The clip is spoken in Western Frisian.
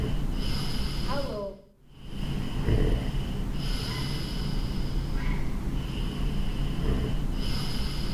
Oeral begjint it toaniel as it doek opgiet.